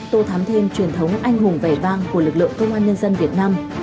tô thám thêm truyền thống anh hùng vẻ vang của lực lượng công an nhân dân việt nam